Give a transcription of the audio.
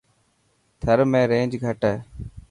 ٿر ۾ رينج گھٽ هي.